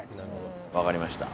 分かりました。